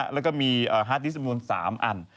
แล้วก็มีฮาร์ดดิสต์จำนวน๓อัน